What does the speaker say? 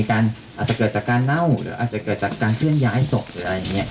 อาจจะเกิดจากการเน่าหรืออาจจะเกิดจากการเคลื่อนย้ายศพหรืออะไรอย่างนี้